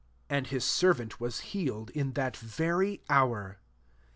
And his serrant was healed in that very hour.